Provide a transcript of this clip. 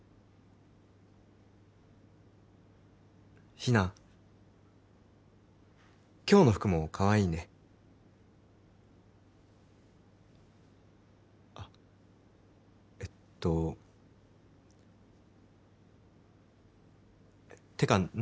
ヒナ今日の服もかわいいねあっえっとってかな